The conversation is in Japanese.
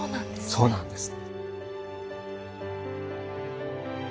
そうなんです。